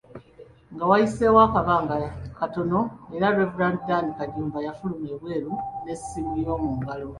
Nga wayiseewo akabanga katono era, Rev. Dan Kajumba, yafuluma ebweru n’essimu eyomungalo